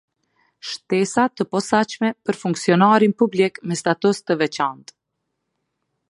Shtesa të posaçme për Funksionarin publik me status të veçantë.